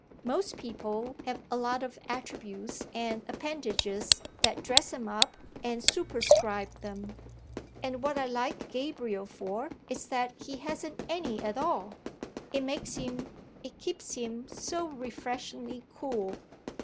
Most people have a lot of attributes and appendages that dress them up and superscribe them, and what I like Gabriel for is that he hasn't any at all. It makes him, it keeps him, so refreshingly cool."